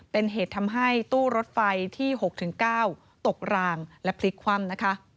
เป็นเหตุทำให้ตู้รถไฟที่๖๙ตกรางและพลิกคว่ำนะคะ